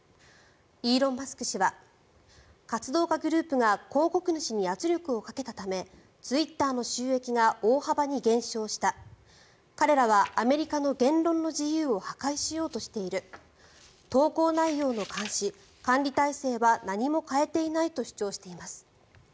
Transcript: イーロン・マスク氏は活動家グループが広告主に圧力をかけたためツイッターの収益が大幅に減少した彼らはアメリカの言論の自由を破壊しようとしている投稿内容の監視・管理体制は何も変えていないと主張しています。